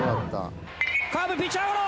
カーブピッチャーゴロ！